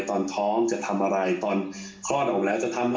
ตอนท้องจะทำอะไรตอนคลอดออกมาแล้วจะทำอะไร